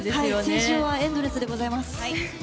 青春はエンドレスでございます。